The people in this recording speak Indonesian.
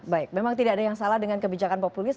baik memang tidak ada yang salah dengan kebijakan populis